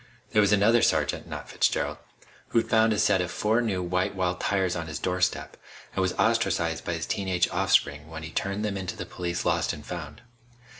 There was another sergeant not Fitzgerald who'd found a set of four new white walls tires on his doorstep, and was ostracized by his teen age offspring when he turned them into the police Lost and Found.